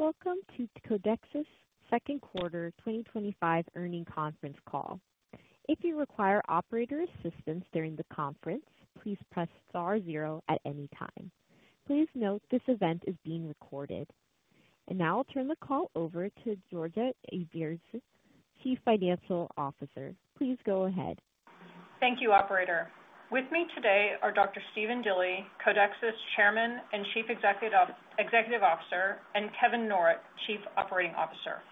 Welcome to Codexis' Second Quarter 2025 Earnings Conference Call. If you require operator assistance during the conference, please press star zero at any time. Please note this event is being recorded. I'll turn the call over to Georgia Erbez, Chief Financial Officer. Please go ahead. Thank you, operator. With me today are Dr. Stephen Dilly, Codexis' Chairman and Chief Executive Officer, and Kevin Norrett, Chief Operating Officer.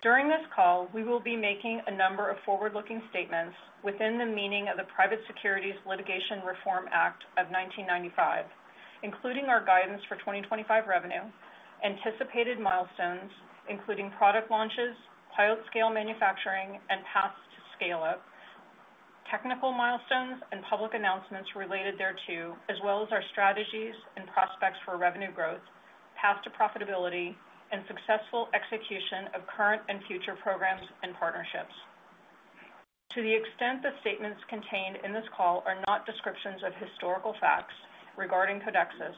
During this call, we will be making a number of forward-looking statements within the meaning of the Private Securities Litigation Reform Act of 1995, including our guidance for 2025 revenue, anticipated milestones, including product launches, pilot scale manufacturing, and paths to scale up, technical milestones, and public announcements related thereto, as well as our strategies and prospects for revenue growth, path to profitability, and successful execution of current and future programs and partnerships. To the extent the statements contained in this call are not descriptions of historical facts regarding Codexis,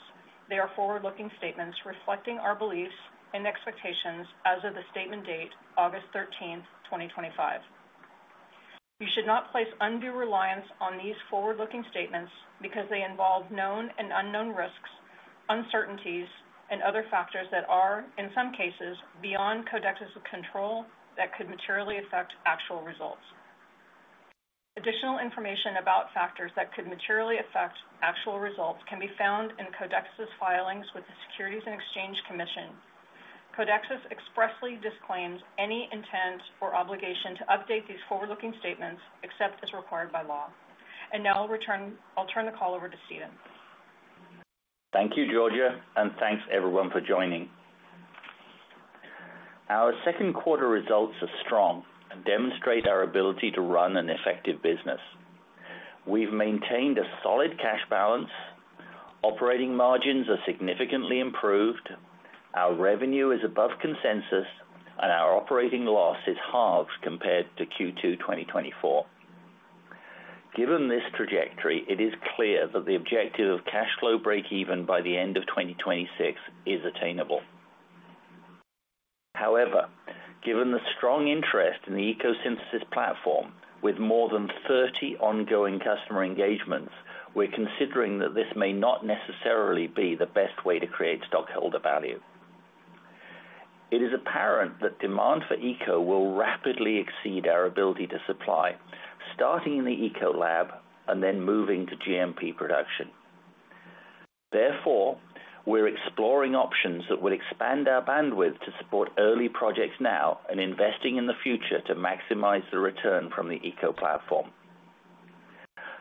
they are forward-looking statements reflecting our beliefs and expectations as of the statement date August 13th, 2025. You should not place undue reliance on these forward-looking statements because they involve known and unknown risks, uncertainties, and other factors that are, in some cases, beyond Codexis' control that could materially affect actual results. Additional information about factors that could materially affect actual results can be found in Codexis' filings with the Securities and Exchange Commission. Codexis expressly disclaims any intent or obligation to update these forward-looking statements except as required by law. Now I'll return the call over to Stephen. Thank you, Georgia, and thanks everyone for joining. Our second quarter results are strong and demonstrate our ability to run an effective business. We've maintained a solid cash balance. Operating margins are significantly improved. Our revenue is above consensus, and our operating loss is halved compared to Q2 2024. Given this trajectory, it is clear that the objective of cash flow breakeven by the end of 2026 is attainable. However, given the strong interest in the ECO Synthesis platform, with more than 30 ongoing customer engagements, we're considering that this may not necessarily be the best way to create stockholder value. It is apparent that demand for ECO will rapidly exceed our ability to supply, starting in the ECO lab and then moving to GMP production. Therefore, we're exploring options that will expand our bandwidth to support early projects now and investing in the future to maximize the return from the ECO platform.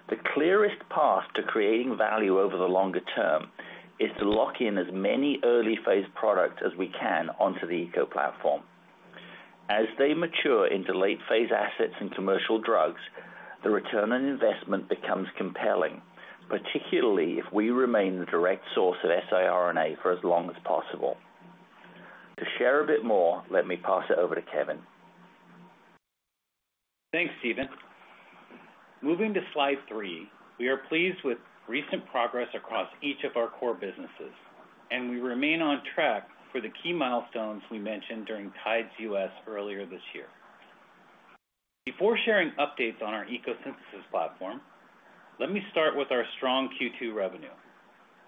The clearest path to creating value over the longer term is to lock in as many early phase products as we can onto the ECO platform. As they mature into late phase assets and commercial drugs, the return on investment becomes compelling, particularly if we remain the direct source of siRNA for as long as possible. To share a bit more, let me pass it over to Kevin. Thanks, Stephen. Moving to slide three, we are pleased with recent progress across each of our core businesses, and we remain on track for the key milestones we mentioned during TIDES US earlier this year. Before sharing updates on our ECO Synthesis platform, let me start with our strong Q2 revenue,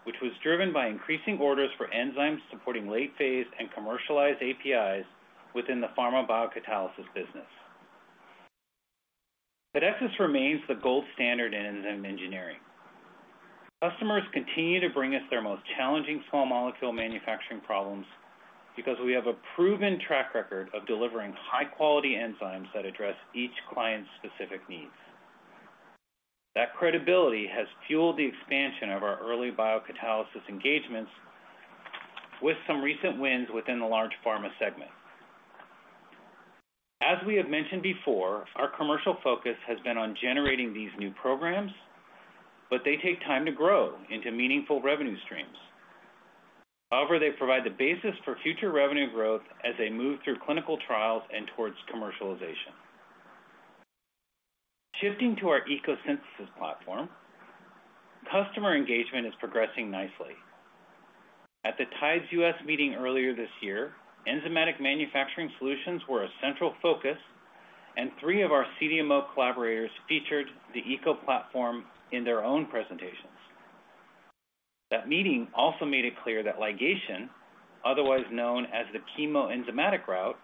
which was driven by increasing orders for enzymes supporting late phase and commercialized APIs within the pharmabiocatalysis business. Codexis remains the gold standard in enzyme engineering. Customers continue to bring us their most challenging small molecule manufacturing problems because we have a proven track record of delivering high-quality enzymes that address each client's specific needs. That credibility has fueled the expansion of our early biocatalysis engagements with some recent wins within the large pharma segment. As we have mentioned before, our commercial focus has been on generating these new programs, but they take time to grow into meaningful revenue streams. However, they provide the basis for future revenue growth as they move through clinical trials and towards commercialization. Shifting to our ECO Synthesis platform, customer engagement is progressing nicely. At the TIDES US meeting earlier this year, enzymatic manufacturing solutions were a central focus, and three of our CDMO collaborators featured the ECO Synthesis platform in their own presentations. That meeting also made it clear that ligation, otherwise known as the chemoenzymatic route,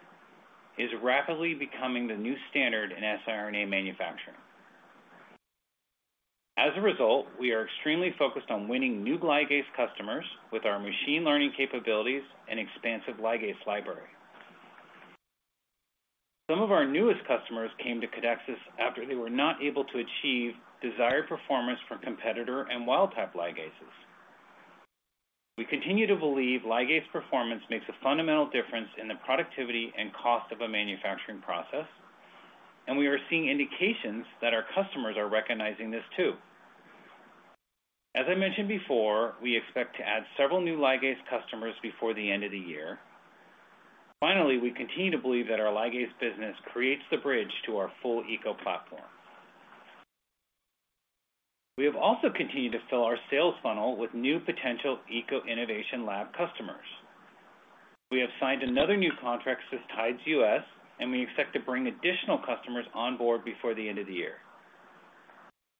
is rapidly becoming the new standard in siRNA manufacturing. As a result, we are extremely focused on winning new ligase customers with our machine learning capabilities and expansive ligase library. Some of our newest customers came to Codexis after they were not able to achieve desired performance for competitor and wild type ligases. We continue to believe ligase performance makes a fundamental difference in the productivity and cost of a manufacturing process, and we are seeing indications that our customers are recognizing this too. As I mentioned before, we expect to add several new ligase customers before the end of the year. Finally, we continue to believe that our ligase business creates the bridge to our full ECO platform. We have also continued to fill our sales funnel with new potential ECO Innovation Lab customers. We have signed another new contract since TIDES US, and we expect to bring additional customers on board before the end of the year.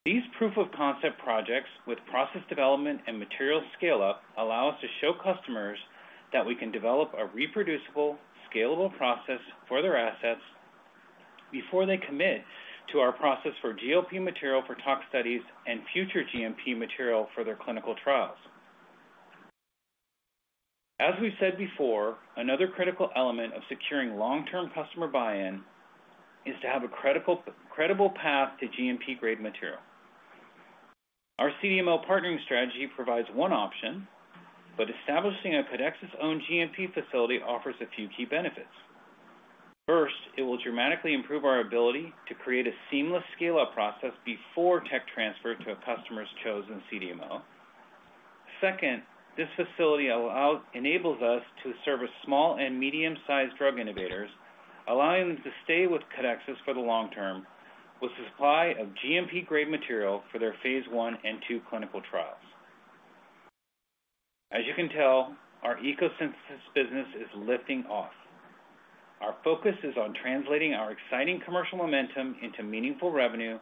These proof of concept projects with process development and material scale-up allow us to show customers that we can develop a reproducible, scalable process for their assets before they commit to our process for GLP material for tox studies and future GMP material for their clinical trials. As we've said before, another critical element of securing long-term customer buy-in is to have a credible path to GMP-grade material. Our CDMO partnering strategy provides one option, but establishing a Codexis' own GMP facility offers a few key benefits. First, it will dramatically improve our ability to create a seamless scale-up process before tech transfer to a customer's chosen CDMO. Second, this facility enables us to service small and medium-sized drug innovators, allowing them to stay with Codexis for the long term with a supply of GMP-grade material for their phase I and II clinical trials. As you can tell, our ECO Synthesis business is lifting off. Our focus is on translating our exciting commercial momentum into meaningful revenue,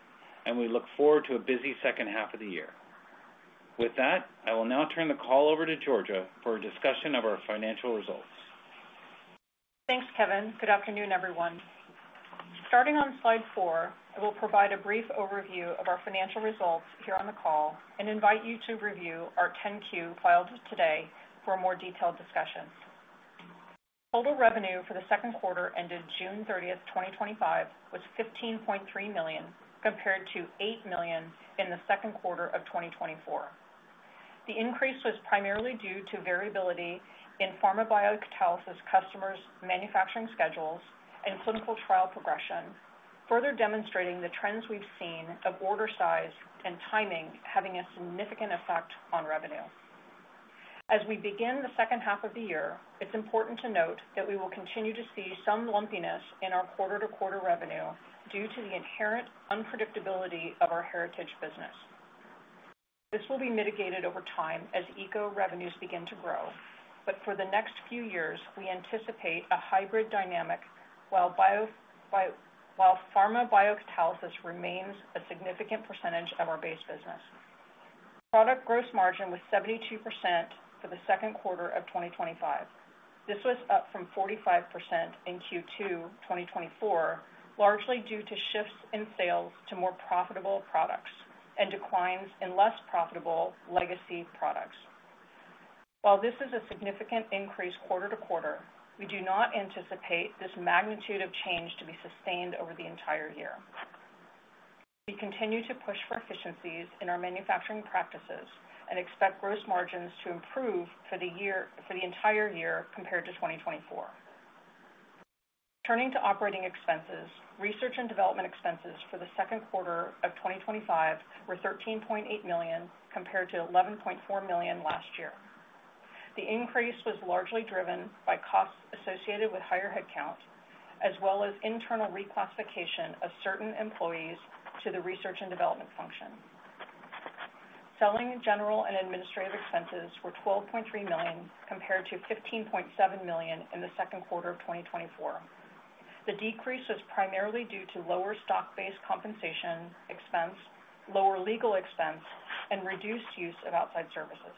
and we look forward to a busy second half of the year. With that, I will now turn the call over to Georgia for a discussion of our financial results. Thanks, Kevin. Good afternoon, everyone. Starting on slide four, I will provide a brief overview of our financial results here on the call and invite you to review our 10-Q filed today for more detailed discussions. Total revenue for the second quarter ended June 30th, 2025, was $15.3 million compared to $8 million in the second quarter of 2024. The increase was primarily due to variability in pharmabiocatalysis customers' manufacturing schedules and clinical trial progression, further demonstrating the trends we've seen of order size and timing having a significant effect on revenue. As we begin the second half of the year, it's important to note that we will continue to see some lumpiness in our quarter-to-quarter revenue due to the inherent unpredictability of our heritage business. This will be mitigated over time as ECO Synthesis revenues begin to grow, but for the next few years, we anticipate a hybrid dynamic while pharmabiocatalysis remains a significant percentage of our base business. Product gross margin was 72% for the second quarter of 2025. This was up from 45% in Q2 2024, largely due to shifts in sales to more profitable products and declines in less profitable legacy products. While this is a significant increase quarter to quarter, we do not anticipate this magnitude of change to be sustained over the entire year. We continue to push for efficiencies in our manufacturing practices and expect gross margins to improve for the entire year compared to 2024. Turning to operating expenses, research and development expenses for the second quarter of 2025 were $13.8 million compared to $11.4 million last year. The increase was largely driven by costs associated with higher headcount, as well as internal reclassification of certain employees to the research and development function. Selling, general, and administrative expenses were $12.3 million compared to $15.7 million in the second quarter of 2024. The decrease was primarily due to lower stock-based compensation expense, lower legal expense, and reduced use of outside services.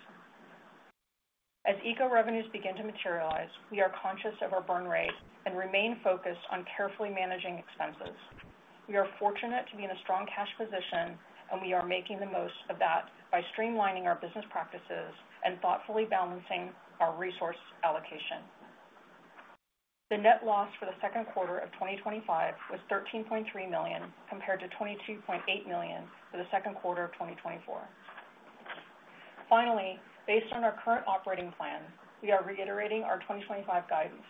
As ECO Synthesis revenues begin to materialize, we are conscious of our burn rate and remain focused on carefully managing expenses. We are fortunate to be in a strong cash position, and we are making the most of that by streamlining our business practices and thoughtfully balancing our resource allocation. The net loss for the second quarter of 2025 was $13.3 million compared to $22.8 million for the second quarter of 2024. Finally, based on our current operating plan, we are reiterating our 2025 guidance.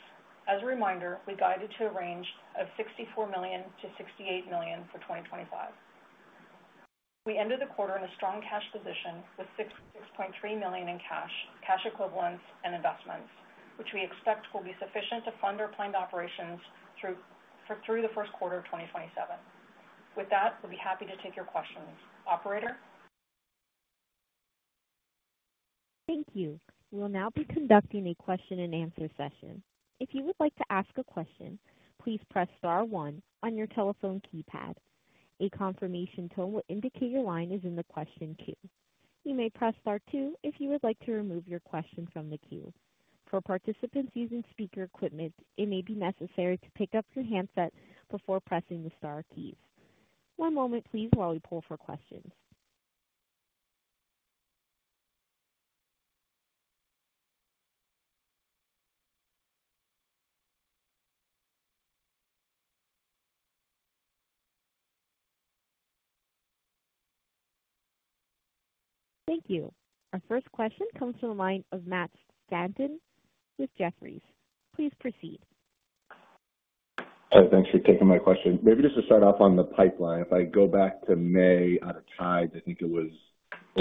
As a reminder, we guided to a range of $64 million-$68 million for 2025. We ended the quarter in a strong cash position with $6.3 million in cash, cash equivalents, and investments, which we expect will be sufficient to fund our planned operations through the first quarter of 2027. With that, we'll be happy to take your questions. Operator? Thank you. We'll now be conducting a question and answer session. If you would like to ask a question, please press star one on your telephone keypad. A confirmation tone will indicate your line is in the question queue. You may press star two if you would like to remove your question from the queue. For participants using speaker equipment, it may be necessary to pick up your handset before pressing the star keys. One moment, please, while we pull for questions. Thank you. Our first question comes from the line of Matt Stanton with Jefferies. Please proceed. Thanks for taking my question. Maybe just to start off on the pipeline, if I go back to May at TIDES, I think it was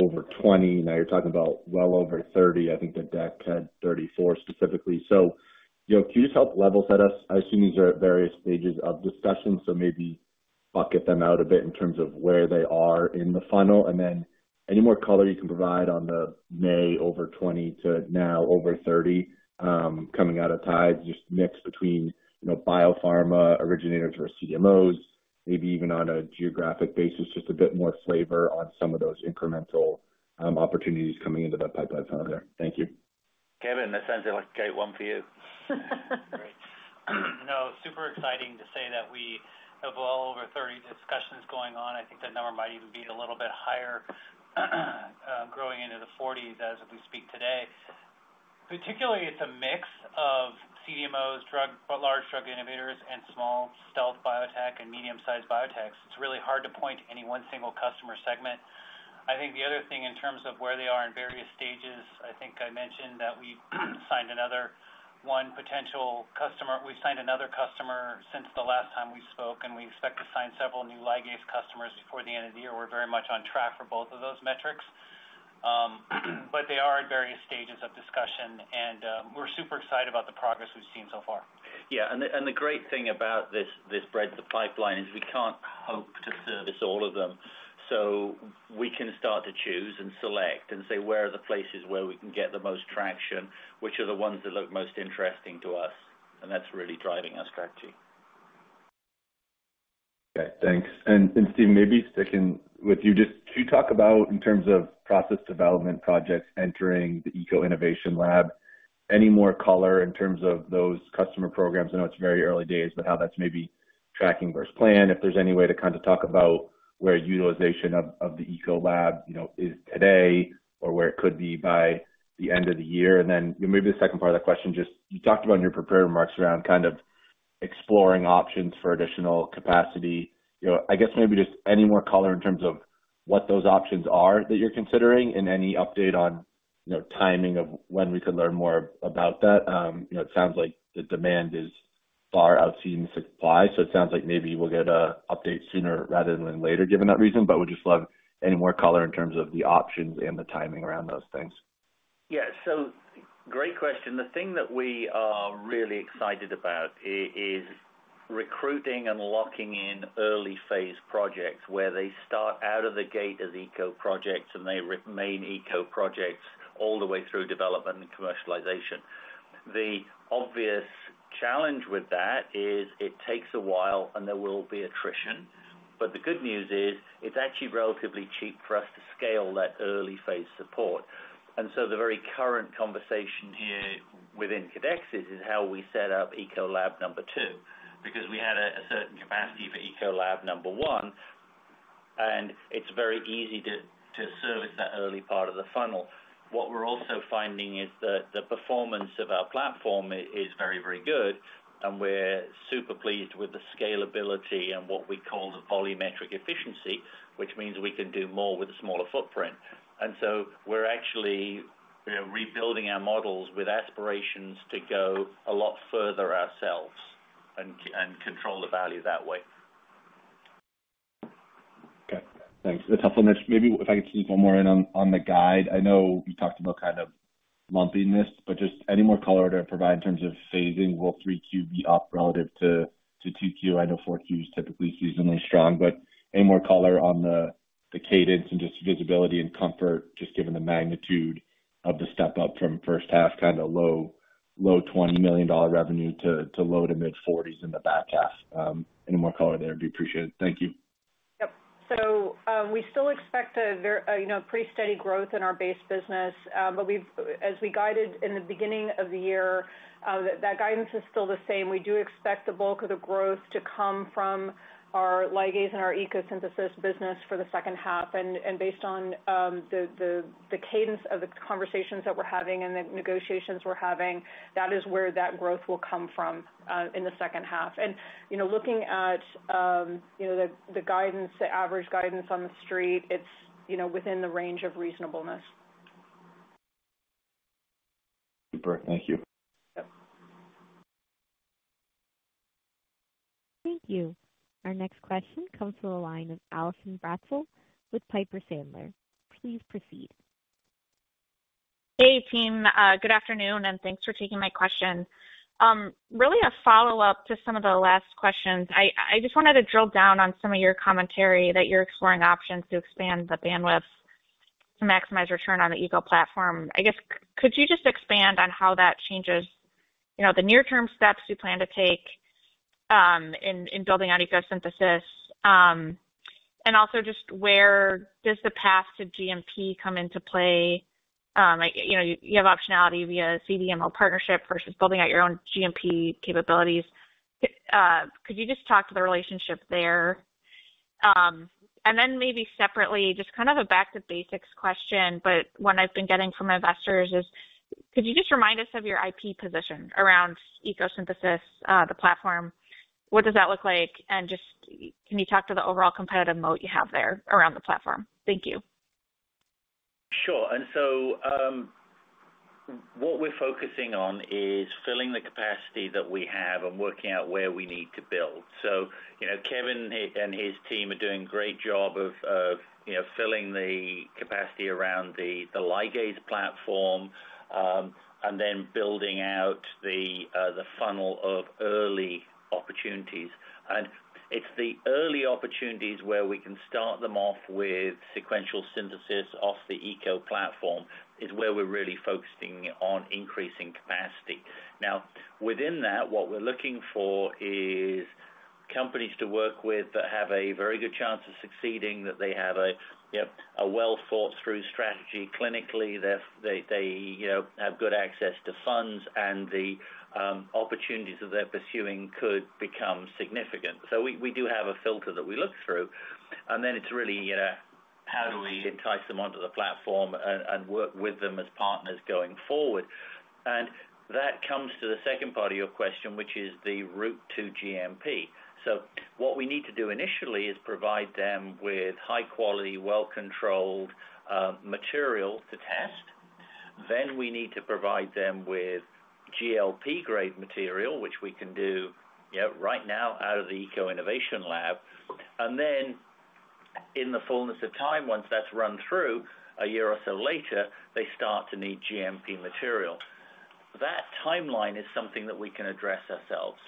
over 20. Now you're talking about well over 30. I think the deck had 34 specifically. Can you just help level set us? I assume these are at various stages of discussion, so maybe bucket them out a bit in terms of where they are in the funnel. Any more color you can provide on the May over 20 to now over 30, coming out of TIDES, just mix between biopharma originators versus CDMOs, maybe even on a geographic basis, just a bit more flavor on some of those incremental opportunities coming into that pipeline funnel there. Thank you. Kevin, that sounds like a great one for you. No, super exciting to say that we have well over 30 discussions going on. I think the number might even be a little bit higher, growing into the 40s as we speak today. Particularly, it's a mix of CDMOs, large drug innovators, and small [stealth biotech] and medium-sized biotechs. It's really hard to point to any one single customer segment. I think the other thing in terms of where they are in various stages, I think I mentioned that we signed another one potential customer. We've signed another customer since the last time we spoke, and we expect to sign several new ligase customers before the end of the year. We're very much on track for both of those metrics. They are at various stages of discussion, and we're super excited about the progress we've seen so far. Yeah, the great thing about this breadth of pipeline is we can't hope to service all of them. We can start to choose and select and say where are the places where we can get the most traction, which are the ones that look most interesting to us. That's really driving our strategy. Okay, thanks. Steve, maybe sticking with you, just to talk about in terms of process development projects entering the ECO Innovation Lab, any more color in terms of those customer programs? I know it's very early days, but how that's maybe tracking versus plan, if there's any way to kind of talk about where utilization of the ECO Lab is today or where it could be by the end of the year. The second part of that question, just you talked about in your prepared remarks around kind of exploring options for additional capacity. I guess maybe just any more color in terms of what those options are that you're considering and any update on timing of when we could learn more about that. It sounds like the demand is far outseen the supply. It sounds like maybe we'll get an update sooner rather than later, given that reason. We'd just love any more color in terms of the options and the timing around those things. Yeah, great question. The thing that we are really excited about is recruiting and locking in early phase projects where they start out of the gate as ECO projects and they remain ECO projects all the way through development and commercialization. The obvious challenge with that is it takes a while and there will be attrition. The good news is it's actually relatively cheap for us to scale that early phase support. The very current conversation here within Codexis is how we set up ECO Lab number two, because we had a certain capacity for ECO Lab number one. It's very easy to service that early part of the funnel. What we're also finding is that the performance of our platform is very, very good. We're super pleased with the scalability and what we call the polymetric efficiency, which means we can do more with a smaller footprint. We're actually rebuilding our models with aspirations to go a lot further ourselves and control the value that way. Okay, thanks. The tough one on this, maybe if I can sneak one more in on the guide. I know you talked about kind of lumpiness, but just any more color to provide in terms of phasing. Will 3Q be up relative to 2Q? I know 4Q is typically seasonally strong, but any more color on the cadence and just visibility and comfort, just given the magnitude of the step up from first half, kind of low $20 million revenue to low to mid-$40 million in the back half. Any more color there would be appreciated. Thank you. We still expect a very, you know, pretty steady growth in our base business. As we guided in the beginning of the year, that guidance is still the same. We do expect the bulk of the growth to come from our ligase and our ECO Synthesis business for the second half. Based on the cadence of the conversations that we're having and the negotiations we're having, that is where that growth will come from in the second half. Looking at, you know, the guidance, the average guidance on the street, it's, you know, within the range of reasonableness. Super, thank you. Thank you. Our next question comes from the line of Allison Bratzel with Piper Sandler. Please proceed. Hey team, good afternoon and thanks for taking my question. Really a follow-up to some of the last questions. I just wanted to drill down on some of your commentary that you're exploring options to expand the bandwidth to maximize return on the ECO platform. I guess, could you just expand on how that changes the near-term steps you plan to take in building out ECO Synthesis? Also, where does the path to GMP come into play? You have optionality via CDMO partnership versus building out your own GMP capabilities. Could you just talk to the relationship there? Maybe separately, just kind of a back-to-basics question, but what I've been getting from investors is, could you just remind us of your IP position around ECO Synthesis, the platform? What does that look like? Can you talk to the overall competitive moat you have there around the platform? Thank you. Sure. What we're focusing on is filling the capacity that we have and working out where we need to build. Kevin and his team are doing a great job of filling the capacity around the ligase platform and then building out the funnel of early opportunities. It's the early opportunities where we can start them off with sequential synthesis off the ECO platform that we're really focusing on increasing capacity. Within that, what we're looking for is companies to work with that have a very good chance of succeeding, that they have a well-thought-through strategy clinically, that they have good access to funds, and the opportunities that they're pursuing could become significant. We do have a filter that we look through. It's really how do we entice them onto the platform and work with them as partners going forward. That comes to the second part of your question, which is the route to GMP. What we need to do initially is provide them with high-quality, well-controlled materials to test. Then we need to provide them with GLP-grade material, which we can do right now out of the ECO Innovation Lab. In the fullness of time, once that's run through a year or so later, they start to need GMP material. That timeline is something that we can address ourselves.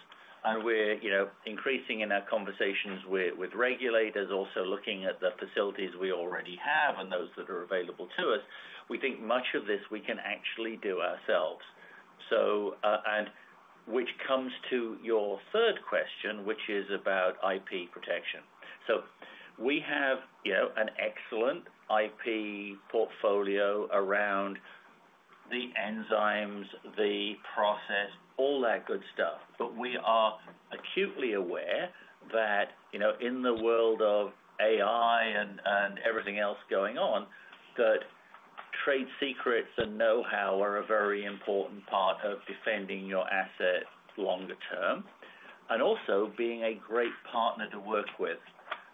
We're increasing in our conversations with regulators, also looking at the facilities we already have and those that are available to us. We think much of this we can actually do ourselves. That comes to your third question, which is about IP protection. We have an excellent IP portfolio around the enzymes, the process, all that good stuff. We are acutely aware that in the world of AI and everything else going on, trade secrets and know-how are a very important part of defending your asset longer term and also being a great partner to work with.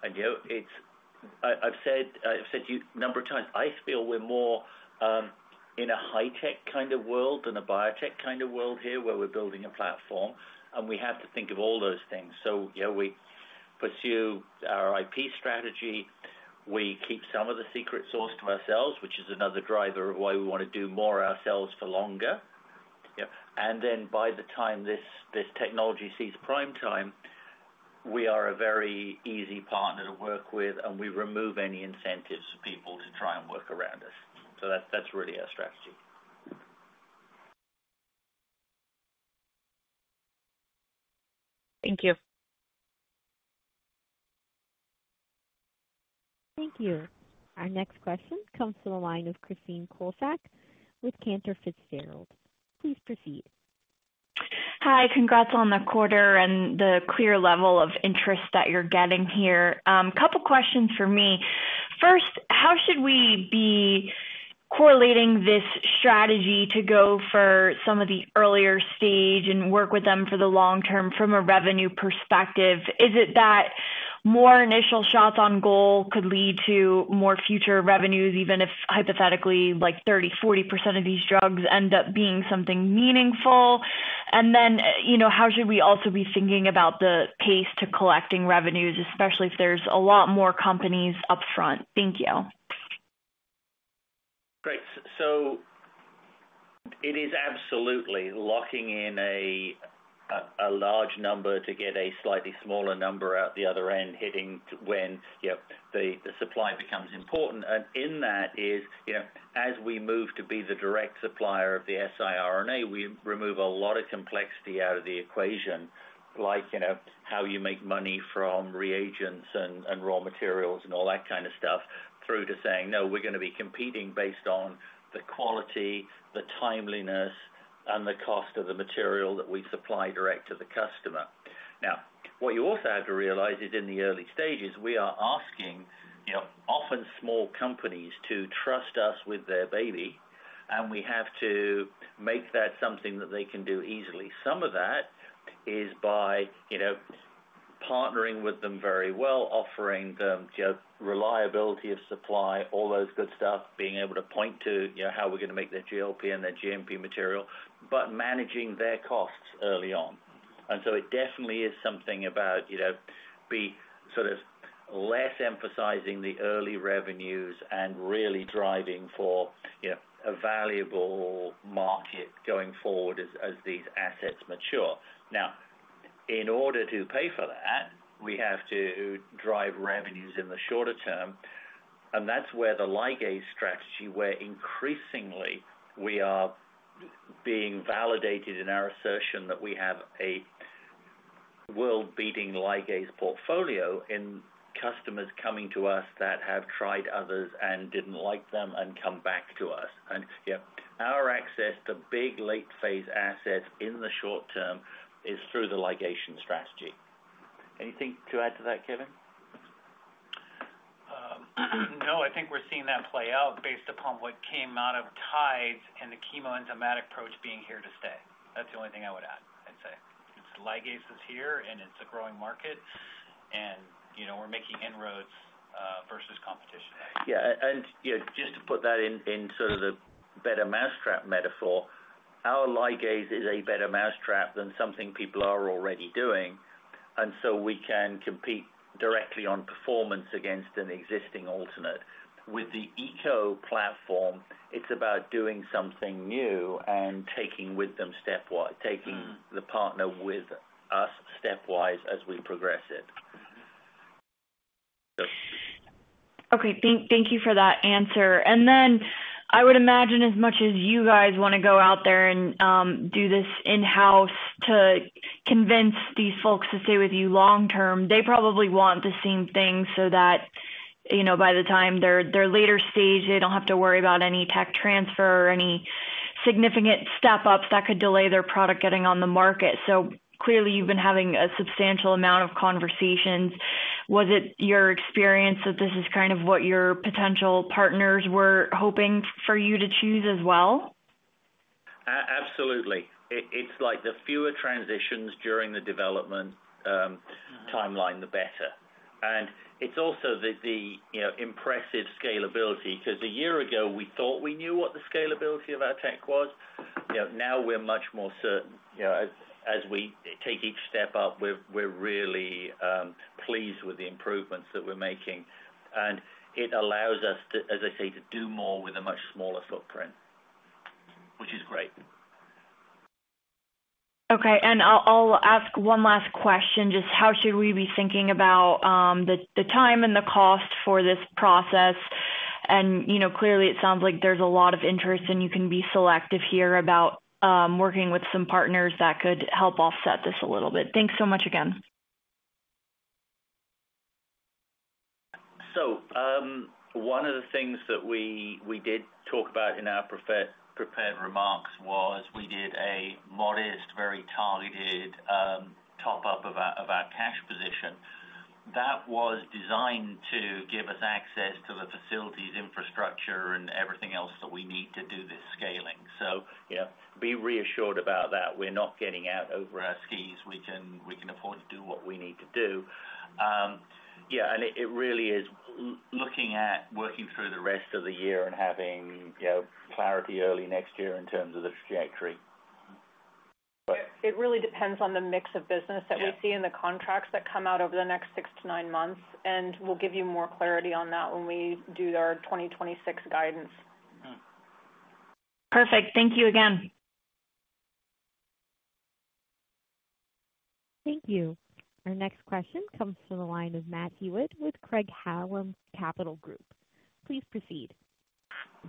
I've said a number of times, I feel we're more in a high-tech kind of world than a biotech kind of world here where we're building a platform. We have to think of all those things. We pursue our IP strategy. We keep some of the secret source to ourselves, which is another driver of why we want to do more ourselves for longer. By the time this technology sees prime time, we are a very easy partner to work with and we remove any incentives for people to try and work around us. That's really our strategy. Thank you. Thank you. Our next question comes from the line of Kristen Kluska with Cantor Fitzgerald. Please proceed. Hi, congrats on the quarter and the clear level of interest that you're getting here. A couple of questions for me. First, how should we be correlating this strategy to go for some of the earlier stage and work with them for the long term from a revenue perspective? Is it that more initial shots on goal could lead to more future revenues, even if hypothetically like 30%, 40% of these drugs end up being something meaningful? How should we also be thinking about the pace to collecting revenues, especially if there's a lot more companies up front? Thank you. Great. It is absolutely locking in a large number to get a slightly smaller number out the other end, hitting when the supply becomes important. In that, as we move to be the direct supplier of the siRNA, we remove a lot of complexity out of the equation, like how you make money from reagents and raw materials and all that kind of stuff, through to saying, no, we're going to be competing based on the quality, the timeliness, and the cost of the material that we supply direct to the customer. What you also have to realize is in the early stages, we are asking often small companies to trust us with their baby, and we have to make that something that they can do easily. Some of that is by partnering with them very well, offering them reliability of supply, all those good stuff, being able to point to how we're going to make their GLP and their GMP material, but managing their costs early on. It definitely is something about being sort of less emphasizing the early revenues and really driving for a valuable market going forward as these assets mature. In order to pay for that, we have to drive revenues in the shorter term. That's where the ligase strategy, where increasingly we are being validated in our assertion that we have a world-beating ligase portfolio in customers coming to us that have tried others and didn't like them and come back to us. Our access to big late-phase assets in the short term is through the ligation strategy. Anything to add to that, Kevin? No, I think we're seeing that play out based upon what came out of TIDES and the chemoenzymatic approach being here to stay. That's the only thing I would add. I'd say it's ligase is here and it's a growing market, and, you know, we're making inroads versus competition. Yeah, just to put that in sort of the better mousetrap metaphor, our ligase is a better mousetrap than something people are already doing. We can compete directly on performance against an existing alternate. With the ECO platform, it's about doing something new and taking the partner with us step-wise as we progress it. Okay, thank you for that answer. I would imagine as much as you guys want to go out there and do this in-house to convince these folks to stay with you long term, they probably want the same thing so that, you know, by the time they're later stage, they don't have to worry about any tech transfer or any significant step-ups that could delay their product getting on the market. Clearly, you've been having a substantial amount of conversations. Was it your experience that this is kind of what your potential partners were hoping for you to choose as well? Absolutely. It's like the fewer transitions during the development timeline, the better. It's also the impressive scalability because a year ago we thought we knew what the scalability of our tech was. Now we're much more certain. As we take each step up, we're really pleased with the improvements that we're making, and it allows us to, as I say, do more with a much smaller footprint, which is great. Okay, I'll ask one last question. How should we be thinking about the time and the cost for this process? Clearly, it sounds like there's a lot of interest and you can be selective here about working with some partners that could help offset this a little bit. Thanks so much again. One of the things that we did talk about in our prepared remarks was we did a modest, very targeted top-up of our cash position. That was designed to give us access to the facilities, infrastructure, and everything else that we need to do this scaling. Be reassured about that. We're not getting out over our skis. We can afford to do what we need to do. It really is looking at working through the rest of the year and having clarity early next year in terms of the trajectory. It really depends on the mix of business that we see in the contracts that come out over the next six to nine months. We'll give you more clarity on that when we do our 2026 guidance. Perfect. Thank you again. Thank you. Our next question comes from the line of Matt Hewitt with Craig-Hallum Capital Group. Please proceed.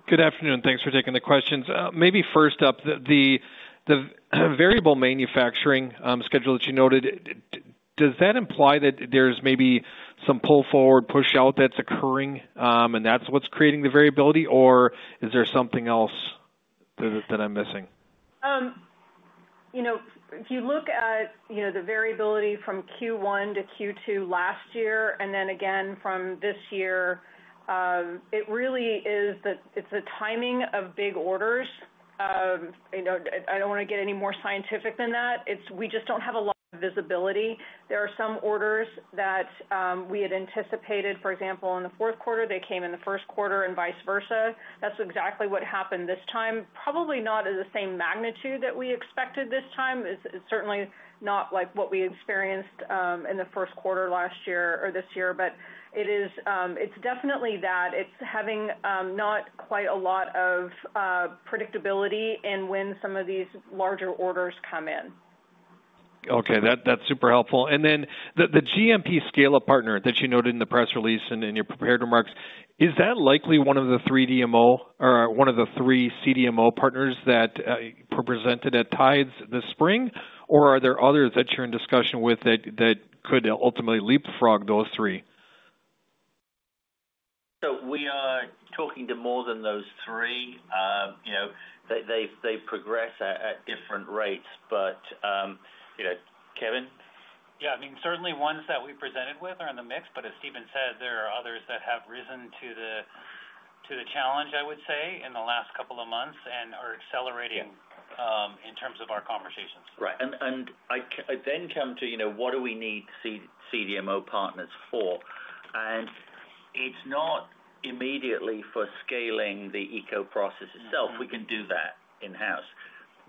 Good afternoon. Thanks for taking the questions. Maybe first up, the variable manufacturing schedule that you noted, does that imply that there's maybe some pull forward, push out that's occurring and that's what's creating the variability, or is there something else that I'm missing? If you look at the variability from Q1 to Q2 last year and then again from this year, it really is that it's the timing of big orders. I don't want to get any more scientific than that. We just don't have a lot of visibility. There are some orders that we had anticipated, for example, in the fourth quarter, they came in the first quarter and vice versa. That's exactly what happened this time, probably not at the same magnitude that we expected this time. It's certainly not like what we experienced in the first quarter last year or this year, but it is definitely that. It's having not quite a lot of predictability in when some of these larger orders come in. Okay, that's super helpful. The GMP scale-up partner that you noted in the press release and in your prepared remarks, is that likely one of the three CDMO partners that were presented at TIDES this spring, or are there others that you're in discussion with that could ultimately leapfrog those three? We are talking to more than those three. They progress at different rates, but you know, Kevin? Yeah, I mean, certainly ones that we presented with are in the mix, but as Stephen said, there are others that have risen to the challenge, I would say, in the last couple of months and are accelerating in terms of our conversations. Right. I then come to, you know, what do we need CDMO partners for? It's not immediately for scaling the ECO process itself. We can do that in-house.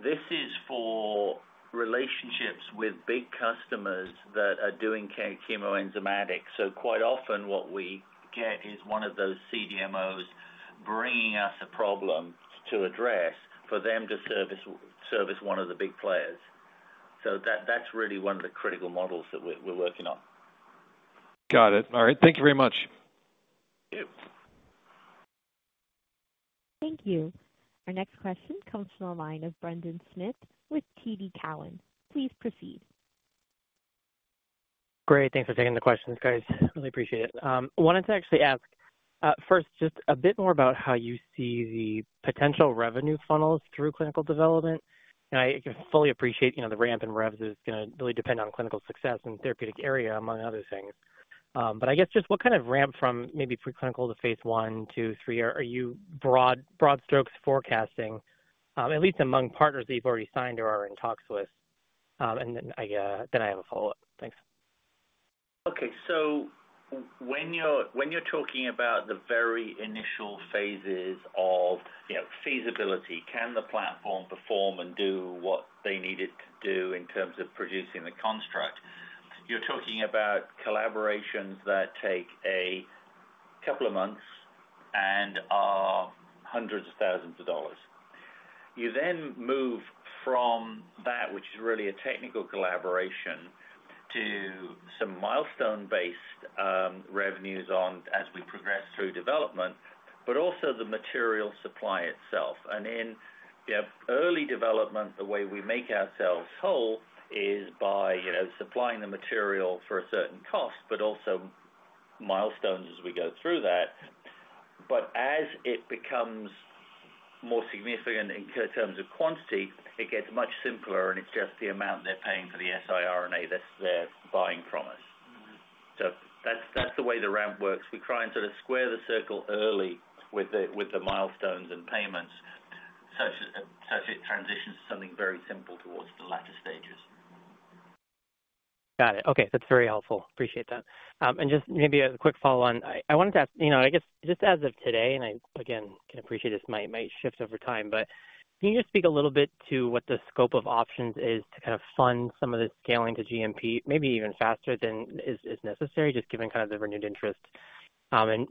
This is for relationships with big customers that are doing chemoenzymatic. Quite often what we get is one of those CDMOs bringing us a problem to address for them to service one of the big players. That's really one of the critical models that we're working on. Got it. All right. Thank you very much. Thank you. Our next question comes from the line of Brendan Smith with TD Cowen. Please proceed. Great. Thanks for taking the questions, guys. Really appreciate it. I wanted to actually ask first just a bit more about how you see the potential revenue funnels through clinical development. I fully appreciate, you know, the ramp and revs is going to really depend on clinical success and therapeutic area, among other things. I guess just what kind of ramp from maybe preclinical to phase I, II, III are you broad strokes forecasting, at least among partners that you've already signed or are in talks with? I have a follow-up. Thanks. Okay, so when you're talking about the very initial phases of, you know, feasibility, can the platform perform and do what they need it to do in terms of producing the construct? You're talking about collaborations that take a couple of months and are hundreds of thousands of dollars. You then move from that, which is really a technical collaboration, to some milestone-based revenues as we progress through development, but also the material supply itself. In early development, the way we make ourselves whole is by supplying the material for a certain cost, but also milestones as we go through that. As it becomes more significant in terms of quantity, it gets much simpler and it's just the amount they're paying for the siRNA that they're buying from us. That's the way the ramp works. We try and sort of square the circle early with the milestones and payments, such as transitions to something very simple towards the latter stages. Got it. Okay, that's very helpful. Appreciate that. Just maybe a quick follow-on. I wanted to ask, I guess just as of today, and I can appreciate this might shift over time, but can you just speak a little bit to what the scope of options is to kind of fund some of the scaling to GMP, maybe even faster than is necessary, just given kind of the renewed interest?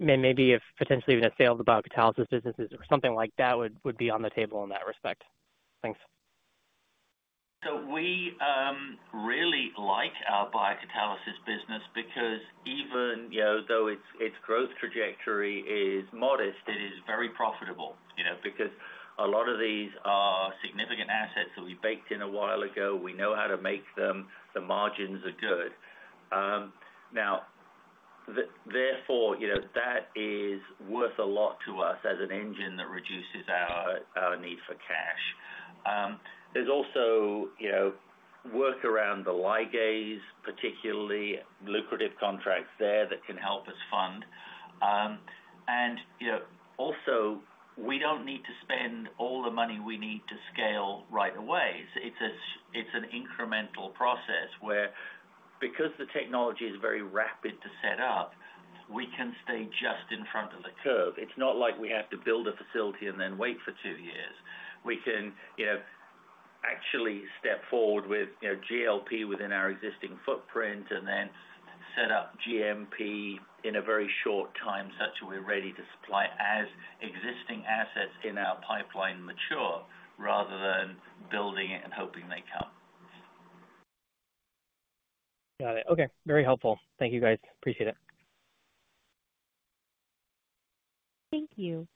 Maybe if potentially even a sale of the biocatalysis businesses or something like that would be on the table in that respect. Thanks. We really like our biocatalysis business because even though its growth trajectory is modest, it is very profitable because a lot of these are significant assets that we baked in a while ago. We know how to make them. The margins are good. Therefore, that is worth a lot to us as an engine that reduces our need for cash. There's also work around the ligase, particularly lucrative contracts there that can help us fund. Also, we don't need to spend all the money we need to scale right away. It's an incremental process where, because the technology is very rapid to set up, we can stay just in front of the curve. It's not like we have to build a facility and then wait for two years. We can actually step forward with GLP within our existing footprint and then set up GMP in a very short time, such that we're ready to supply it as existing assets in our pipeline mature rather than building it and hoping they come. Got it. Okay, very helpful. Thank you, guys. Appreciate it. Thank you.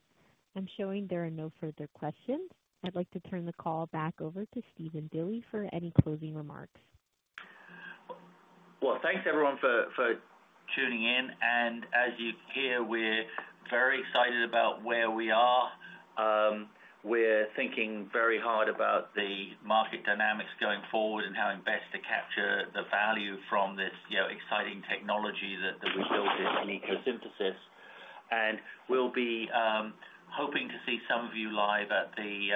I'm showing there are no further questions. I'd like to turn the call back over to Stephen Dilly for any closing remarks. Thanks everyone for tuning in. As you hear, we're very excited about where we are. We're thinking very hard about the market dynamics going forward and how best to capture the value from this exciting technology that we built in ECO Synthesis. We will be hoping to see some of you live at the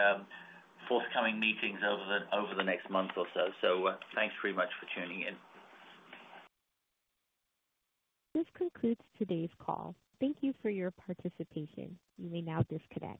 forthcoming meetings over the next month or so. Thank you very much for tuning in. This concludes today's call. Thank you for your participation. You may now disconnect.